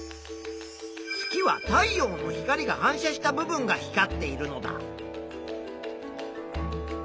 月は太陽の光が反射した部分が光っているのだ。